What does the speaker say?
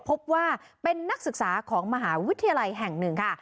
พบว่าเป็นนักศึกษาของมหาวิทยาลัยแห่งหนึ่งค่ะ